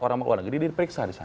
orang keluar negeri diperiksa